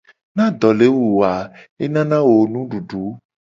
Ne ado le wu wo a enana wo nududu.